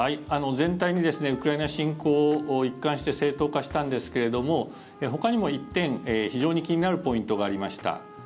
全体にウクライナ侵攻を一貫して正当化したんですけどもほかにも１点、非常に気になるポイントがありました。